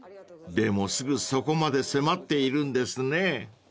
［でもすぐそこまで迫っているんですね］